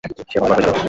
সে হতবাক হয়ে যাবে!